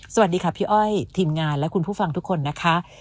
สวัสดีค่ะพี่อ้อยทีมงานและคุณผู้ฟังทุกคนนะคะ